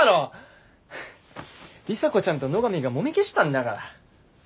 里紗子ちゃんと野上がもみ消したんだから。